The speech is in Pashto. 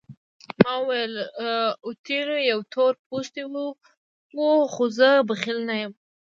ما وویل اوتیلو یو تور پوستی وو خو زه بخیل نه یم.